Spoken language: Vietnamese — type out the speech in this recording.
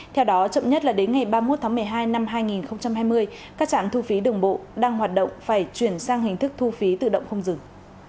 theo đó chậm nhất là đến ngày ba mươi một tháng một mươi hai năm hai nghìn hai mươi các trạm thu phí đường bộ đang hoạt động phải chuyển sang hình thức thu phí tự động không dừng